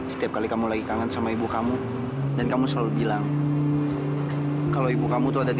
setiap kali kamu lagi kangen sama ibu kamu dan kamu selalu bilang kalau ibu kamu tuh ada di